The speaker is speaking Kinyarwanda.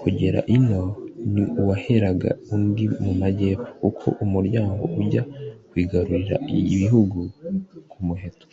kugera ino ni uwaheraga undi mu majy’epfo. kuko umuryango ujya kwigarurira ibihugu ku muheto